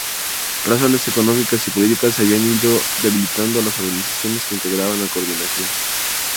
Razones económicas y políticas habían ido debilitando a las organizaciones que integraban la coordinación.